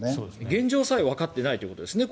現状さえわかっていないということですね